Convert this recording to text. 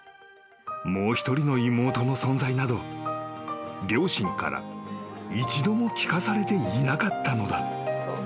［もう一人の妹の存在など両親から一度も聞かされていなかったのだ］